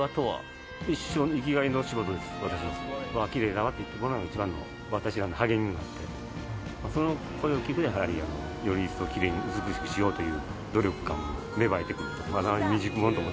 うわぁ、きれいだわって言ってもらうのが一番の、私らの励みになって、その声を聞く、やはりより一層美しくしようという、努力が芽生えてくる。